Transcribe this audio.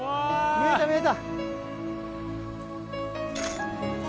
見えた見えた。